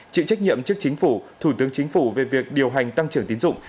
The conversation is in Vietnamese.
chịu trách nhiệm trước chính phủ thủ tướng chính phủ về việc điều hành tăng trưởng tín dụng